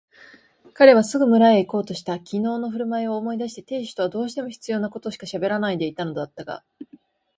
彼はすぐ村へいこうとした。きのうのふるまいを思い出して亭主とはどうしても必要なことしかしゃべらないでいたのだったが、